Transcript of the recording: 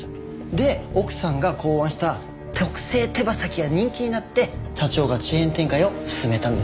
で奥さんが考案した特製手羽先が人気になって社長がチェーン展開を進めたんです。